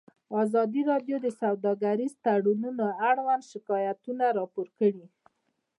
ازادي راډیو د سوداګریز تړونونه اړوند شکایتونه راپور کړي.